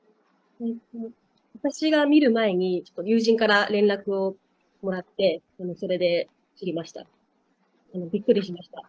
私が見る前に、ちょっと友人から連絡をもらって、それで知りました。